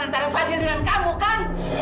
antara fadil dengan kamu kan